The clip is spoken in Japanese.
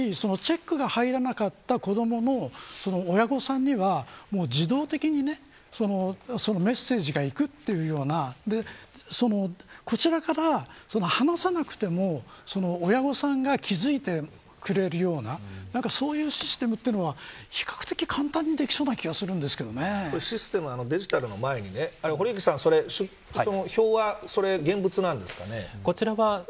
僕はここは、ＩＴ化の余地がすごくあってやはりチェックが入らなかった子どもの親御さんには自動的にメッセージが行くというようなこちらから話さなくても親御さんが気付いてくれるようなそういうシステムというのは比較的簡単にできそうなシステム、デジタルの前に堀池さん、その表は現物なんですかね。